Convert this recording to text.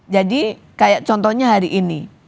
jadi kayak contohnya hari ini